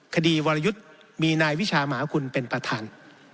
คดีวารยุทธ์มีนายวิชามหาขุลเป็นประธาน